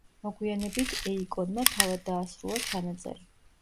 მოგვიანებით ეიკონმა თავად დაასრულა ჩანაწერი.